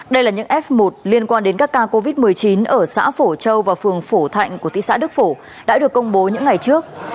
đây là những f một liên quan đến các ca covid một mươi chín ở xã phổ châu và phường phổ thạnh của thị xã đức phổ đã được công bố những ngày trước